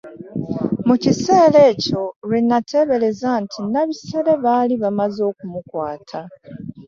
Mu kiseera ekyo lwe nateebereza nti Nabisere baali bamaze okumukwata.